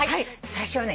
最初はね